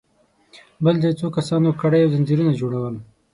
بل ځای څو کسانو کړۍ او ځنځيرونه جوړل.